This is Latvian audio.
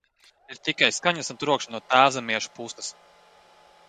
"Ir tikai skaņas un trokšņi no "tēvzemiešu" puses."